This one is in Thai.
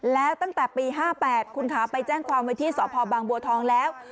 แล้วตั้งแต่ปี๕๘คุณคะไปแจ้งความไว้ที่สพบางบัวทองแล้ว